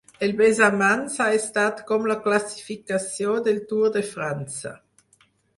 El besamans ha estat com la classificació del Tour de França.